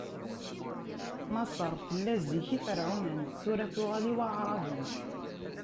Maṣer tella zik n Yiferɛunen, tura tuɣal i Waɛraben.